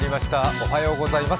おはようございます。